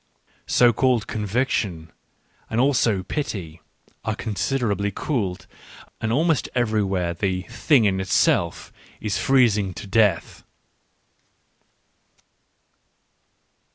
So called " conviction " and also " pity " are considerably cooled — and almost everywhere the "thing in itself" is freezing to death.